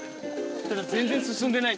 ただ全然進んでない。